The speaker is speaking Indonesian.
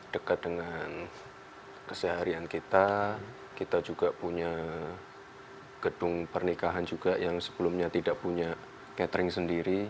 dekat dengan keseharian kita kita juga punya gedung pernikahan juga yang sebelumnya tidak punya catering sendiri